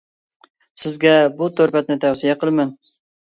سىزگە بۇ تور بەتنى تەۋسىيە قىلىمەن.